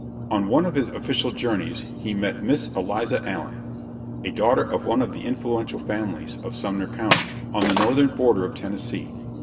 On one of his official journeys he met Miss Eliza Allen, a daughter of one of the "influential families" of Sumner County, on the northern border of Tennessee.